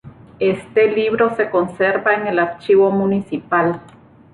Este libro se conserva en el Archivo Municipal.